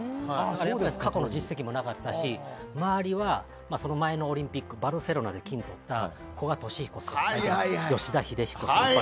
だから過去の実績もなかったし周りは前のオリンピックバルセロナで金をとった古賀稔彦先輩とか吉田秀彦先輩